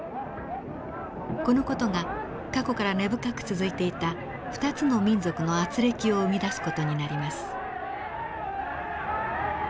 この事が過去から根深く続いていた２つの民族の軋轢を生み出す事になります。